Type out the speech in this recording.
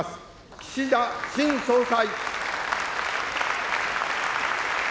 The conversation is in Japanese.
岸田新総裁。